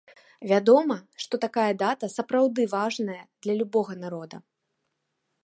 Вядома, што такая дата сапраўды важная для любога народа.